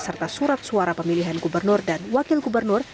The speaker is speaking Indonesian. serta surat suara pemilihan gubernur dan wakil gubernur